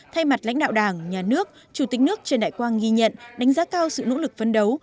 thay mặt lãnh đạo đảng nhà nước chủ tịch nước trần đại quang ghi nhận đánh giá cao sự nỗ lực phấn đấu